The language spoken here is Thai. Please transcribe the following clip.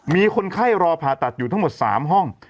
มีคนไข้รอผ่าตัดอยู่ทั้งหมด๓ห้อง